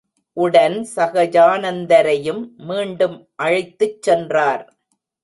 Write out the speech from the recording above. உடன் சகஜானந்தரையும் மீண்டும் அழைத்துச் சென்றார்.